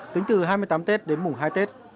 tính từ hai mươi tám tết đến mùng hai tết